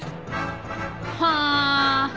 はあ。